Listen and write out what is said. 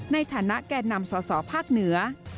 ในฐานะแก่นำสสภาคเหนือ